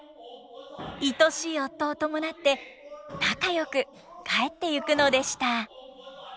いとしい夫を伴って仲よく帰っていくのでした。